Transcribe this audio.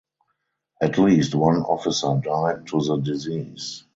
At least one officer died to the disease.